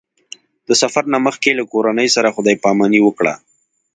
د سفر نه مخکې له کورنۍ سره خدای پاماني وکړه.